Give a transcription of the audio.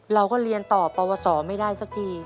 เราก็เรียนต่อปวสอไม่ได้สักที